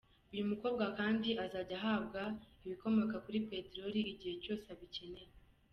Uyu mukobwa kandi azajya ahabwa ibikomoka kuri peteroli igihe cyose abikeneye.